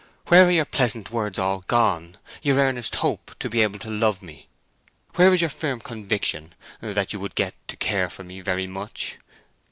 Where are your pleasant words all gone—your earnest hope to be able to love me? Where is your firm conviction that you would get to care for me very much?